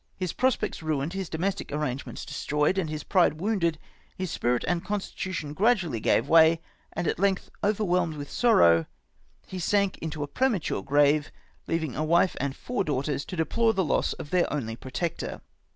His prospects ruined, his domestic arrangements destroyed, and his pride wounded, his spirit and constitution gradually gave way, and at length overwhelmed with sorrow he sank into a pre matm^e grave, leaving a wife and four daughters to deplore the loss of their only protector.